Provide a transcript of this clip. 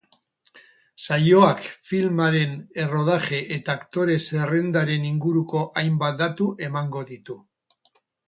Saioak filmaren errodaje eta aktore zerrendaren inguruko hainbat datu emango ditu.